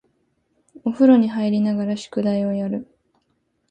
お風呂に入りながら宿題をやる